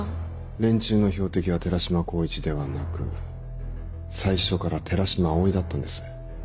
連中の標的は寺島光一ではなく最初から寺島葵だったんです。